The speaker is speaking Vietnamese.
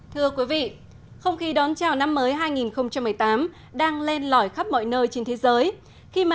thưa quý vị không khí đón chào năm mới hai nghìn một mươi tám đang lên lõi khắp mọi nơi trên thế giới